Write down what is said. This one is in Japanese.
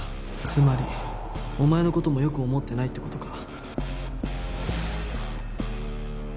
つまりお前の事も良く思ってないって事か。